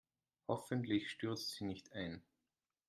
Hoffentlich stürzt sie nicht ein.